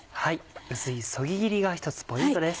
薄いそぎ切りが一つポイントです。